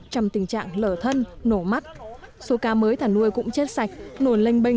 trong lúc này ông đặng ngọc triển